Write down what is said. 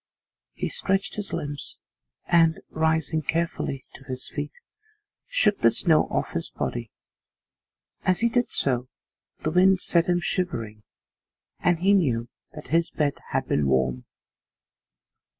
He stretched his limbs, and, rising carefully to his feet, shook the snow off his body. As he did so the wind set him shivering, and he knew that his bed had been warm.